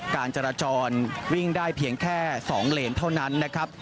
การจราจรวิ่งได้เพียงแค่๒เลนเท่านั้นนะครับ